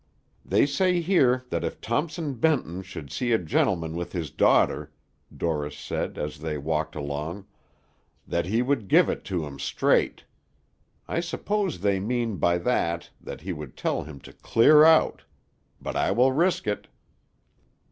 "They say here that if Thompson Benton should see a gentleman with his daughter," Dorris said, as they walked along, "that he would give it to him straight. I suppose they mean, by that, that he would tell him to clear out; but I will risk it."